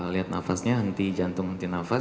lihat nafasnya henti jantung henti nafas